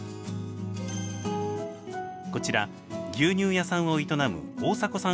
こちら牛乳屋さんを営む大迫さん